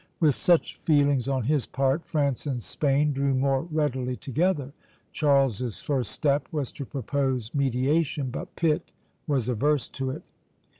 With such feelings on his part, France and Spain drew more readily together. Charles's first step was to propose mediation, but Pitt was averse to it.